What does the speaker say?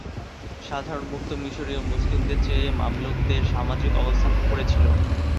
সাধারণ মুক্ত মিশরীয় মুসলিমদের চেয়ে মামলুকদের সামাজিক অবস্থান উপরে ছিল।